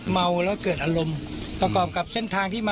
โมโหแล้วก็มีอารมณ์ทางเพศ